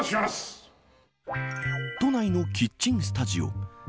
都内のキッチンスタジオ。